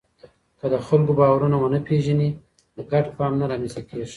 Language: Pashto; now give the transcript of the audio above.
که د خلکو باورونه ونه پېژنې، ګډ فهم نه رامنځته کېږي.